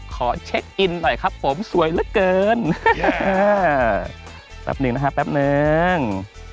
ขอเช็คอินหน่อยครับผมสวยเหลือเกินแป๊บหนึ่งนะฮะแป๊บนึง